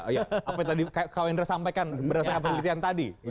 iya apa yang tadi kawendra sampaikan berdasarkan penelitian tadi